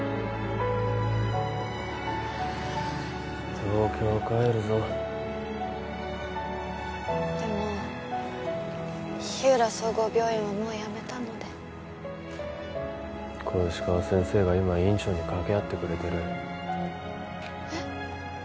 東京帰るぞでも日浦総合病院はもう辞めたので小石川先生が今院長に掛け合ってくれてるえっ？